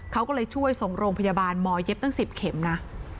เขาก็เลยช่วยส่งโรงพยาบาลมเย็บตั้ง๑๐เข็มนะ